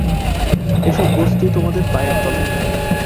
এ-সব বস্তুই তোমাদের পায়ের তলায়।